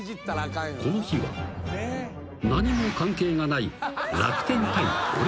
［この日は何も関係がない］